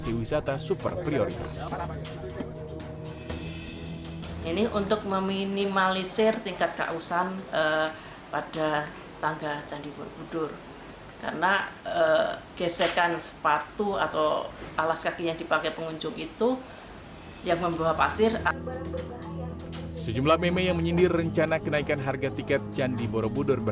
ini untuk meminimalisir tingkat kausan pada tangga candi borobudur